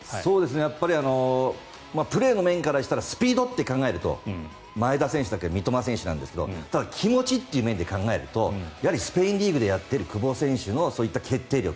やっぱりプレーの面からしたらスピードと考えると前田選手より三笘選手ですがただ、気持ちっていう面で考えるとやはりスペインリーグでやっている久保選手のそういった決定力。